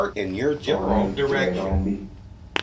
Pone uidquio bedombi